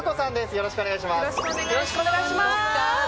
よろしくお願いします。